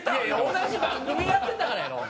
同じ番組やってたからやろ。